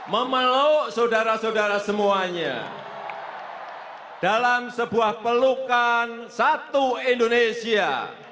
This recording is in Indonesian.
memeluk saudara saudara semuanya dalam sebuah pelukan satu indonesia